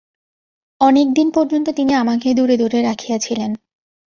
অনেক দিন পর্যন্ত তিনি আমাকে দূরে দূরেই রাখিয়াছিলেন।